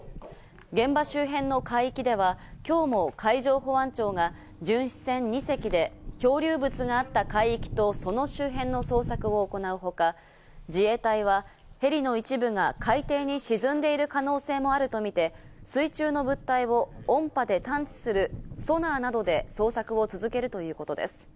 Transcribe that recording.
現場周辺の海域では今日も海上保安庁が巡視船２隻で漂流物があった海域とその周辺の捜索を行うほか、自衛隊はヘリの一部が海底に沈んでいる可能性もあるとみて、水中の物体を音波で探知するソナーなどで捜索を続けるということです。